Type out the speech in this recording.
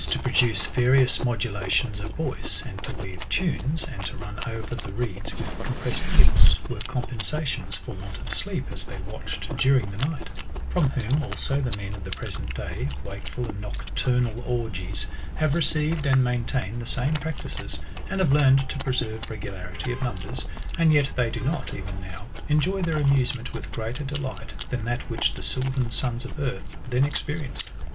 243 to produce various modulations of voice, and to weave tunes, and to run over the reeds with compressed lips, were compensations for want of sleep, as they watched during the night From whom, also, the men of the present day, wakeful in nocturnal orgies^ have received and maintain the same practices,^ and have learned to preserve regularity of numbers ; and yet they do not, even now, enjoy thejr amusement with greater delight than that which the sylvan sons of earth then experienced.